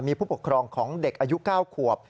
มีผู้ปกครองของเด็กอายุ๙ขวบ